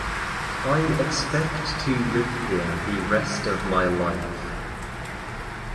I expect to live here the rest of my life.